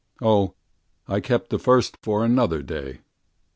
Oh, I kept the first for another day!